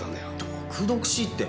毒々しいって。